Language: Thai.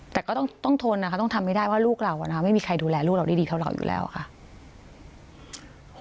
แต่ก็ต้องทนนะคะต้องทำให้ได้เพราะลูกเราไม่มีใครดูแลลูกเราได้ดีเท่าเราอยู่แล้วค่ะ